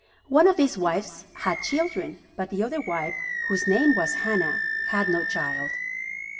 One of these wives had children, but the other wife, whose name was Hannah, had no child.